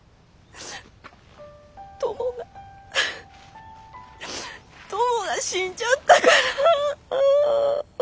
トモがトモが死んじゃったから。